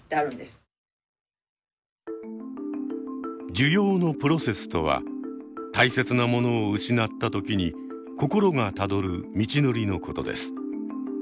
「受容のプロセス」とは大切なものを失った時に心がたどる道のりのことです。